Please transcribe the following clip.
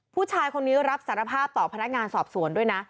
ผู้ชายคนนี้รับสารภาพต่อพนักงานสอบสวนด้วยนะ